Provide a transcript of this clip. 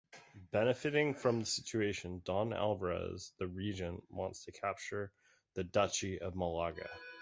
Benefiting from the situation Don Alvarez the Regent wants to capture the Duchy of Malaga...